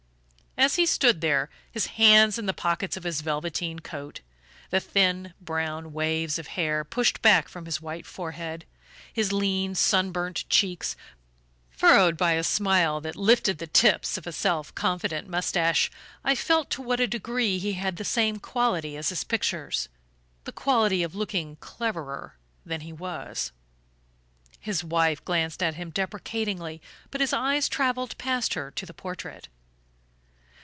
As he stood there, his hands in the pockets of his velveteen coat, the thin brown waves of hair pushed back from his white forehead, his lean sunburnt cheeks furrowed by a smile that lifted the tips of a self confident moustache, I felt to what a degree he had the same quality as his pictures the quality of looking cleverer than he was. His wife glanced at him deprecatingly, but his eyes travelled past her to the portrait.